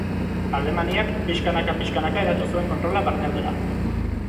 Alemaniak pixkanaka-pixkanaka hedatu zuen kontrola barnealdera.